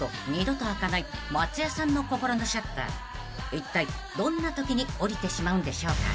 ［いったいどんなときに下りてしまうんでしょうか］